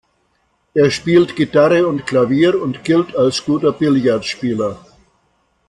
Er spielt Gitarre und Klavier und gilt als guter Billardspieler.